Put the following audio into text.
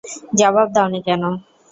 জবাব দাওনি কেন?